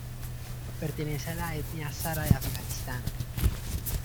Pertenece a la etnia hazara de Afganistán.